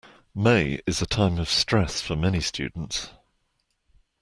May is a time of stress for many students.